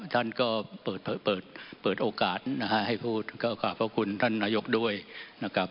ท่านก็เปิดโอกาสให้พูดก็ขอบคุณท่านนายกด้วยนะครับ